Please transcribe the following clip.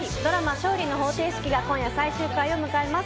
『勝利の法廷式』が今夜最終回を迎えます。